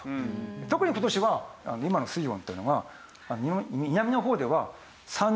特に今年は今の水温っていうのが南の方では３０度を超えてます。